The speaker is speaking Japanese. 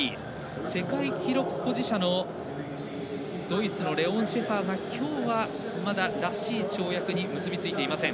世界記録保持者のドイツのレオン・シェファーがきょうはまだ、らしい跳躍に結びついていません。